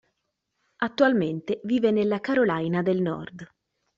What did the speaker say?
Attualmente vive nella Carolina del Nord.